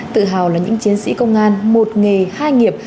tự hào là những chiến sĩ công an một nghề hai nghiệp